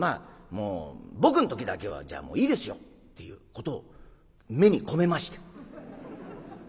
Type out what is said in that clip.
もう「僕の時だけはじゃもういいですよ」っていうことを目に込めまして。